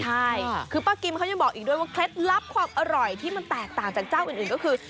ใช่คือป้ากิมเขายังบอกอีกด้วยว่าเคล็ดลับความอร่อยที่มันแตกต่างจากเจ้าอื่นก็คือ